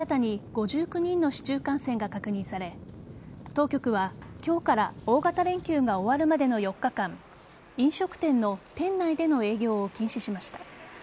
北京では昨日新たに５９人の市中感染が確認され当局は今日から大型連休が終わるまでの４日間飲食店の店内での営業を禁止しました。